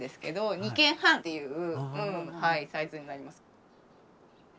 ２間半っていうサイズになります。